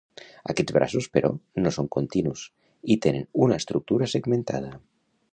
Aquests braços, però, no són continus i tenen una estructura segmentada.